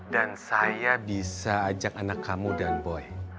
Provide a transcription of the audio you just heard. dan saya bisa ajak anak kamu dan boy